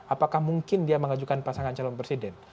apakah mungkin dia mengajukan pasangan calon presiden